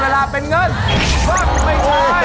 ว้าวไม่ใช่